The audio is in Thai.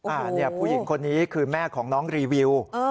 เนี่ยผู้หญิงคนนี้คือแม่ของน้องรีวิว